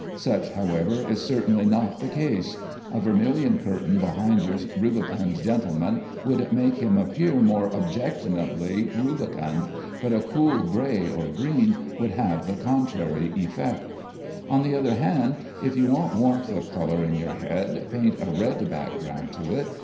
Such, however, is certainly not the case. A vermilion curtain behind your rubicund gentleman would make him appear more objectionably rubicund, but a cool gray or green would have the contrary effect. On the other hand, if you want warmth of color in your head, paint a red background to it.